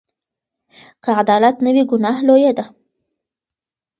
که عدالت نه وي، ګناه لویه ده.